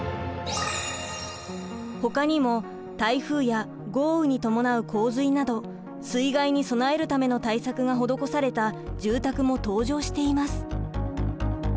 ほかにも台風や豪雨に伴う洪水など水害に備えるための対策が施された住宅も登場しています。